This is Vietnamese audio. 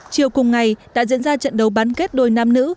chiều cùng ngày đã diễn ra trận đấu bán kết đôi nam nữ